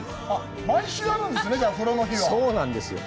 毎月あるんですね、風呂の日は。